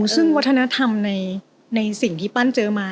ซึ่งวัฒนธรรมในสิ่งที่ปั้นเจอมา